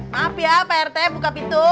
maaf ya pak rt buka pintu